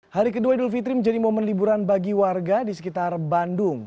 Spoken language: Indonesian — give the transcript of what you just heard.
hari kedua idul fitri menjadi momen liburan bagi warga di sekitar bandung